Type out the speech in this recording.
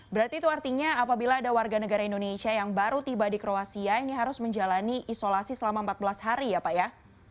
berarti itu artinya apabila ada warga negara indonesia yang baru tiba di kroasia ini harus menjalani isolasi selama empat belas hari ya pak ya